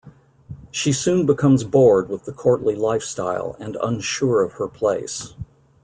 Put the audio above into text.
She soon becomes bored with the courtly lifestyle and unsure of her place.